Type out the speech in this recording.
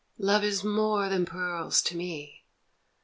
" Love is more than pearls to me.